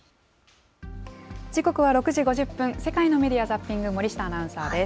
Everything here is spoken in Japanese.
時刻は６時５０分、世界のメディア・ザッピング、森下アナウンサーです。